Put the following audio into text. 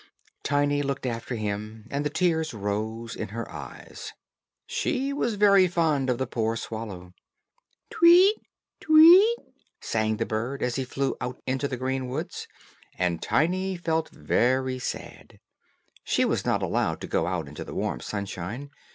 Tiny looked after him, and the tears rose in her eyes. She was very fond of the poor swallow. "Tweet, tweet," sang the bird, as he flew out into the green woods, and Tiny felt very sad. She was not allowed to go out into the warm sunshine.